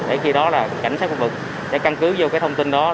để khi đó cảnh sát khu vực sẽ căn cứ vô thông tin đó